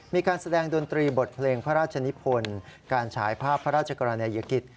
มีการแสดงดนตรีบทเพลงพระราชนิพลการฉายภาพพระราชกรณียกิจ